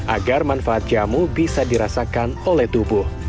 agar manfaat jamu bisa dirasakan oleh tubuh